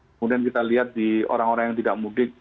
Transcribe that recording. kemudian kita lihat di orang orang yang tidak mudik